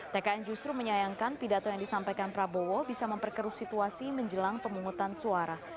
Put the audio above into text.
tkn justru menyayangkan pidato yang disampaikan prabowo bisa memperkeruh situasi menjelang pemungutan suara